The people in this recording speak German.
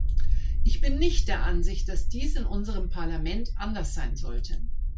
Ich bin nicht der Ansicht, dass dies in unserem Parlament anders sein sollte.